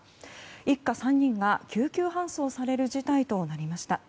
一家３人が救急搬送される事態となりました。